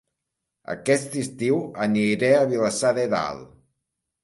Aquest estiu aniré a Vilassar de Dalt